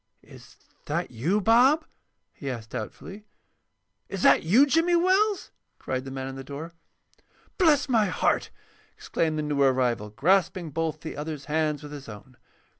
"Is that you, Bob?" he asked, doubtfully. "Is that you, Jimmy Wells?" cried the man in the door. "Bless my heart!" exclaimed the new arrival, grasping both the other's hands with his own.